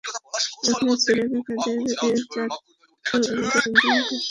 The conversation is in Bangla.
আপনার ছেলেরা তাদের চাচ্ছু এবং, তার সন্তানকে বাঁচাতে কূপে ঝাঁপ দিয়েছিল।